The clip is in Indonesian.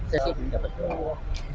saya sih dapat dua hari